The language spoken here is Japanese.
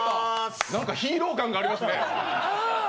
なんかヒーロー感がありますね。